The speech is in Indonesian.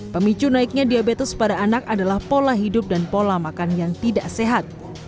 pemicu naiknya diabetes pada anak adalah pola hidup dan pola makan yang tidak sehat